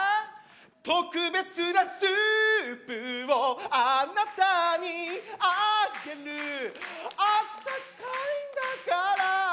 「特別なスープをあなたにあげる」「あったかいんだからぁ」